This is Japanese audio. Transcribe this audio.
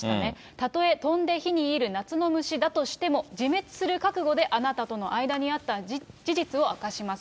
たとえ飛んで火にいる夏の虫だとしても、自滅する覚悟であなたとの間にあった事実を明かします。